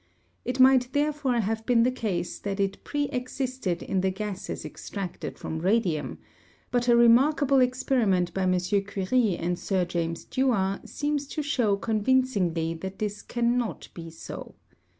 It might therefore have been the case that it pre existed in the gases extracted from radium; but a remarkable experiment by M. Curie and Sir James Dewar seems to show convincingly that this cannot be so.